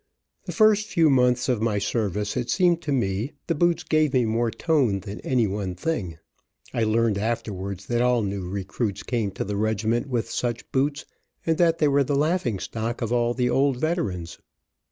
The first few months of my service, it seemed to me, the boots gave me more tone than any one thing. I learned afterwards that all new recruits came to the regiment with such boots, and that they were the laughing stock of all the old veterans.